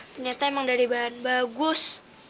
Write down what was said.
ternyata emang dari bahan bagus